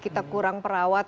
kita kurang perawat